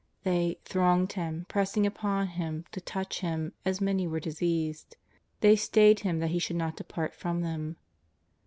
They " thronged Him, pressing upon Him to touch Him as many as were diseased. They stayed Him that He should not depart from them."